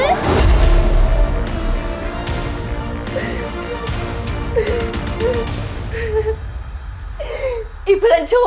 ไอ้เพื่อนช่วย